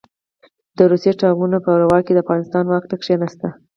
د روسي ټانګونو په ورا کې د افغانستان واک ته کښېناست.